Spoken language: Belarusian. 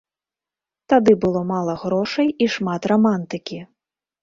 Тады было мала грошай і шмат рамантыкі.